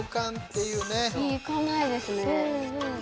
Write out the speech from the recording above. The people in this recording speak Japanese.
行かないですね。